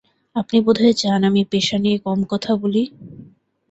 আপনি বোধহয় চান আমি পেশা নিয়ে কম কথা বলি?